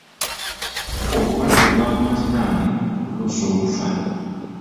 Obulwadde bwaluma kitange okutuusa okufa.